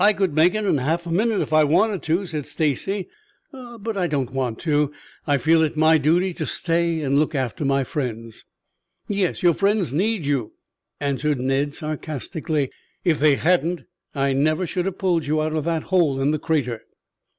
"I could make it half a minute if I wanted to," said Stacy. "But I don't want to. I feel it my duty to stay and look after my friends." "Yes, your friends need you," answered Ned sarcastically. "If they hadn't I never should have pulled you out of the hole in the crater."